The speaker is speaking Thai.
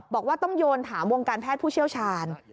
บอกว่าต้องโยนถามวงการแพทย์ผู้เชี่ยวชาญ